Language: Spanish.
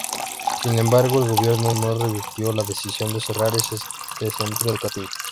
Sin embargo, el gobierno no revirtió la decisión de cerrar este centro educativo.